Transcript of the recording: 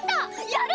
やる！